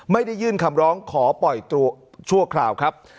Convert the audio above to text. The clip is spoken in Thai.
ไม่ได้ยื่นคำร้องขอปล่อยตัวชั่วคราวครับ